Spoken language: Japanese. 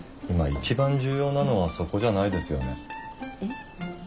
今一番重要なのはそこじゃないですよね。